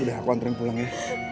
udah aku anterin pulang ya